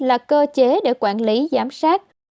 là cơ chế để quản lý giám sát